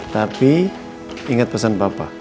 tapi inget pesan papa